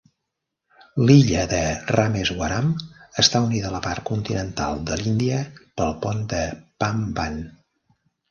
L'illa de Rameswaram està unida a la part continental de l'Índia pel pont de Pamban.